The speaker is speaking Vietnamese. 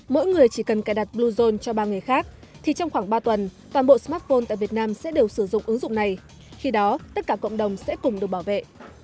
mỗi người chỉ cần cài đặt bluezone cho ba người khác thì trong khoảng ba tuần toàn bộ smartphone tại việt nam sẽ đều sử dụng ứng dụng này khi đó tất cả cộng đồng sẽ cùng được bảo vệ